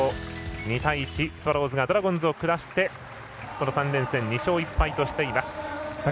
２対１、スワローズがドラゴンズを下して３連戦、２勝１敗としています。